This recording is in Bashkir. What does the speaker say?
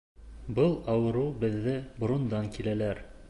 Был ауырыу беҙҙә борондан киләлер.